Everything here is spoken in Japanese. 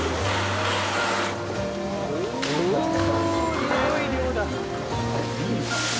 すごい量だ。